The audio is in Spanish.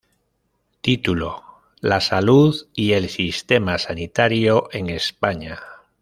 Título: La salud y el sistema sanitario en España.